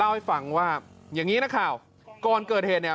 เล่าให้ฟังว่าอย่างงี้นะครับก่อนเกิดเหตุเนี้ย